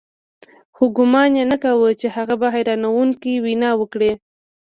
خو ګومان يې نه کاوه چې هغه به حيرانوونکې وينا وکړي.